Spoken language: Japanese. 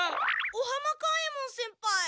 尾浜勘右衛門先輩！